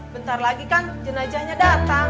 bentar lagi kan jenajahnya datang